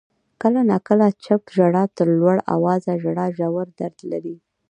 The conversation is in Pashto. • کله ناکله چپ ژړا تر لوړ آوازه ژړا ژور درد لري.